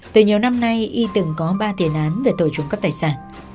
từ nhiều năm nay y từng có ba tiền án về tội trúng cấp tài sản